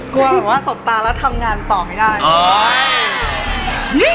กลัวแบบว่าสบตาแล้วทำงานต่อไม่ได้